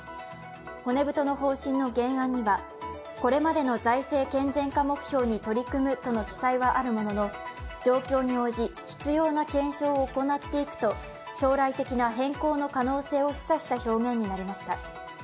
骨太の方針の原案には、これまでの財政健全化目標に取り組むとの記載はあるものの状況に応じ必要な検証を行っていくと将来的な変更の可能性を示唆した表現になりました。